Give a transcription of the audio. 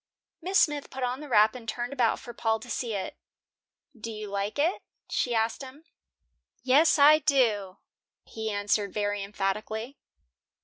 Miss Smith put on the wrap and turned about for Paul to see it. "Do you like it?" she asked him. "Yes, I do," he answered very emphatically.